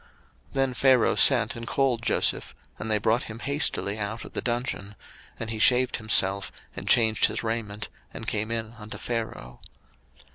01:041:014 Then Pharaoh sent and called Joseph, and they brought him hastily out of the dungeon: and he shaved himself, and changed his raiment, and came in unto Pharaoh.